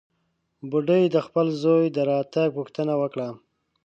بوډۍ د خپل زوى د راتګ پوښتنه وکړه.